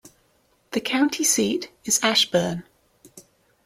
The county seat is Ashburn.